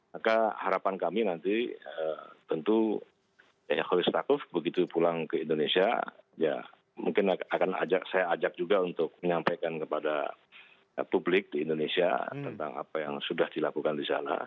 maka harapan kami nanti tentu ya kholistakuf begitu pulang ke indonesia ya mungkin akan saya ajak juga untuk menyampaikan kepada publik di indonesia tentang apa yang sudah dilakukan di sana